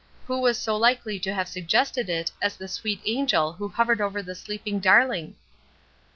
Who was so likely to have suggested it as the sweet angel who hovered over the sleeping darling?